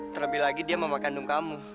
terlebih lagi dia membawa kandung kamu